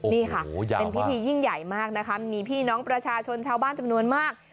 นี่ค่ะเป็นพิธียิ่งใหญ่มากนะคะมีพี่น้องประชาชนชาวบ้านจำนวนมาก